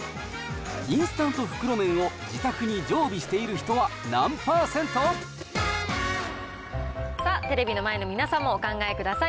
インスタント袋麺を自宅に常備している人は何％？さあ、テレビの前の皆さんもお考えください。